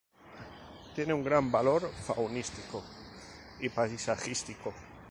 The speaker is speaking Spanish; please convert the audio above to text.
Tiene un gran valor faunístico y paisajístico.